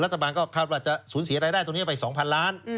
รัฐบาลก็คาดว่าจะสูญเสียรายได้ตรงนี้ไป๒๐๐๐ล้าน